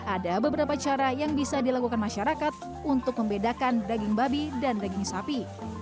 ada beberapa cara yang bisa dilakukan masyarakat untuk membedakan daging babi dan daging sapi